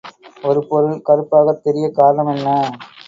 ஒரு பொருள் கறுப்பாகத் தெரியக் காரணம் என்ன?